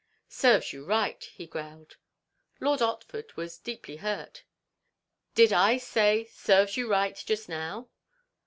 "Serves you right," he growled. Lord Otford was deeply hurt. "Did I say, 'Serves you right,' just now?"